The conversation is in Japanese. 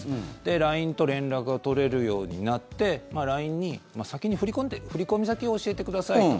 ＬＩＮＥと連絡が取れるようになってＬＩＮＥに先に振り込んで振込先を教えてくださいと。